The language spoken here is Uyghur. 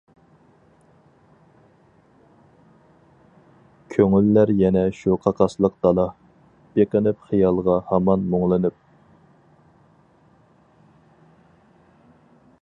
كۆڭۈللەر يەنە شۇ قاقاسلىق دالا، بېقىنىپ خىيالغا ھامان مۇڭلىنىپ.